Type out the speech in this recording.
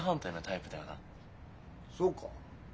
そうか？